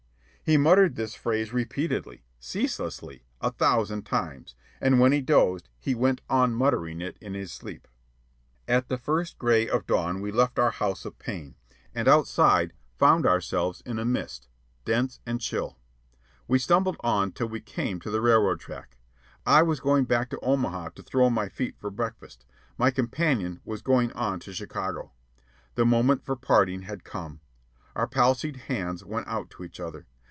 He muttered this phrase repeatedly, ceaselessly, a thousand times; and when he dozed, he went on muttering it in his sleep. At the first gray of dawn we left our house of pain, and outside, found ourselves in a mist, dense and chill. We stumbled on till we came to the railroad track. I was going back to Omaha to throw my feet for breakfast; my companion was going on to Chicago. The moment for parting had come. Our palsied hands went out to each other.